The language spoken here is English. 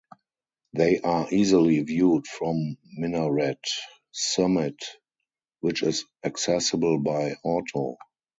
They are easily viewed from Minaret Summit, which is accessible by auto.